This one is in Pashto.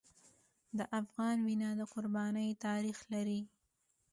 د افغان وینه د قربانۍ تاریخ لري.